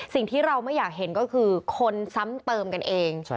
สิ่งที่เราไม่อยากเห็นก็คือคนซ้ำเติมกันเอง